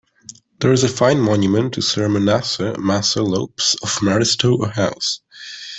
There is a fine monument to Sir Manasseh Masseh Lopes of Maristow House.